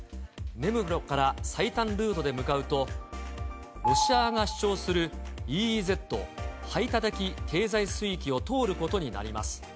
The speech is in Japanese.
根室から最短ルートで向かうと、ロシア側が主張するＥＥＺ・排他的経済水域を通ることになります。